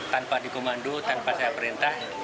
tanpa dikomando tanpa saya perintah